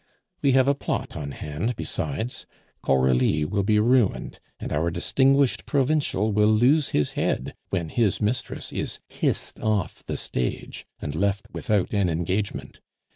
We have a plot on hand besides. Coralie will be ruined, and our distinguished provincial will lose his head when his mistress is hissed off the stage and left without an engagement.